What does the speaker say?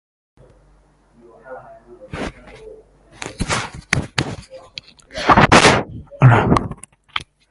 Maude attended Eton College and then the Royal Military College, Sandhurst.